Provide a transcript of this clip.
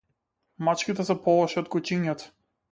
Мачките се полоши од кучињата.